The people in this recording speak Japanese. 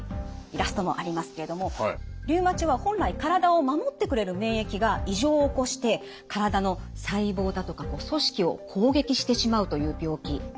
イラストもありますけどもリウマチは本来体を守ってくれる免疫が異常を起こして体の細胞だとか組織を攻撃してしまうという病気なんです。